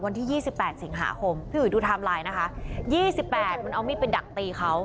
วันที่ยี่สิบแปดสิงหาคมพี่หุยดูทำไลน์นะคะยี่สิบแปดมันเอามีดเป็นดักตีเขา